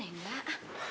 udah neng kak